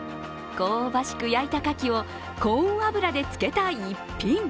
香ばしく焼いたカキをコーン油で漬けた逸品。